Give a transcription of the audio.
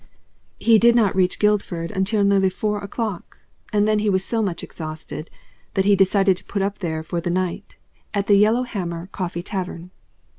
He did not reach Guildford until nearly four o'clock, and then he was so much exhausted that he decided to put up there for the night, at the Yellow Hammer Coffee Tavern.